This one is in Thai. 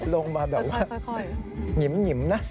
ลงมาแบบว่าหงิมนะ